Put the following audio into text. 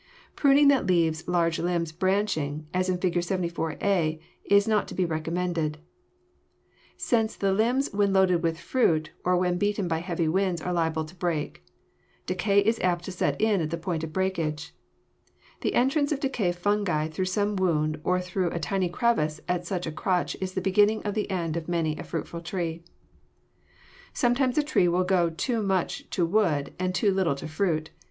Pruning that leaves large limbs branching, as in Fig. 74, a, is not to be recommended, since the limbs when loaded with fruit or when beaten by heavy winds are liable to break. Decay is apt to set in at the point of breakage. The entrance of decay fungi through some such wound or through a tiny crevice at such a crotch is the beginning of the end of many a fruitful tree. [Illustration: FIG. 79. THREE YEAR OLD TREE CUT BACK] Sometimes a tree will go too much to wood and too little to fruit.